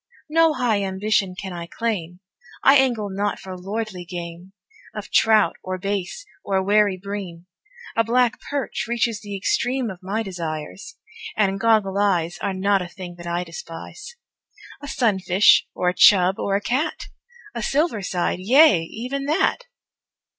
No high ambition can I claim I angle not for lordly game Of trout, or bass, or wary bream A black perch reaches the extreme Of my desires; and "goggle eyes" Are not a thing that I despise; A sunfish, or a "chub," or a "cat" A "silver side" yea, even that!